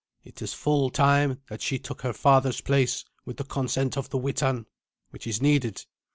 It is full time that she took her father's place with the consent of the Witan, which is needed."